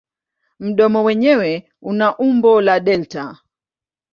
Mdomo wenyewe una umbo la delta.